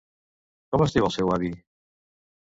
Com es diu el seu avi?